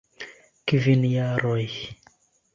Kvin jaroj!